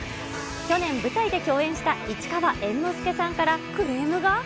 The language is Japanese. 去年、舞台で共演した市川猿之助さんからクレームが。